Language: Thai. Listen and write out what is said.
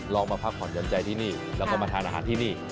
มาพักผ่อนหย่อนใจที่นี่แล้วก็มาทานอาหารที่นี่